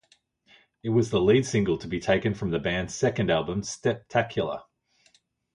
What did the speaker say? It was the lead single to be taken from the band's second album "Steptacular".